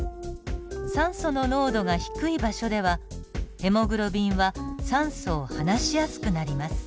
酸素の濃度が低い場所ではヘモグロビンは酸素を離しやすくなります。